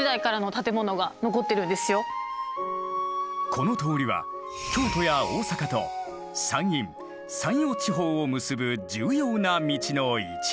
この通りは京都や大坂と山陰・山陽地方を結ぶ重要な道の一部。